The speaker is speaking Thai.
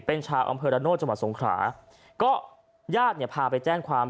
เป็นชาวอำเภอดาโน่จสงคราก็ญาติเนี่ยพาไปแจ้งความ